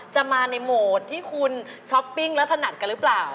จะมาในโหมดที่คุณช้อปปิ้งและถนัดกันหรือเปล่า